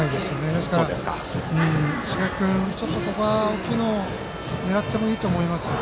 ですから、石垣君はここは大きいのを狙っていいと思います。